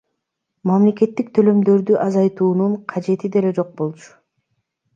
Мамлекеттик төлөмдөрдү азайтуунун кажети деле жок болчу.